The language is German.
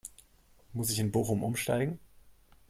Muss ich in Bochum Umsteigen?